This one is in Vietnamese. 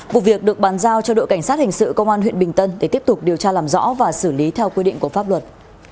vụ việc được bàn giao cho đội cảnh sát hình sự công an huyện bình tân để tiếp tục điều tra làm rõ và xử lý theo quy định của pháp luật